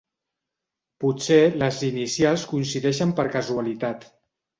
Potser les inicials coincideixen per casualitat.